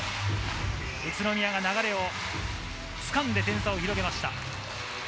宇都宮が流れを掴んで点差を広げました。